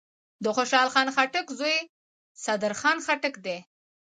دخوشحال خان خټک زوی صدرخان خټک دﺉ.